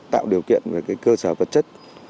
tạo điều kiện về cơ sở vật chất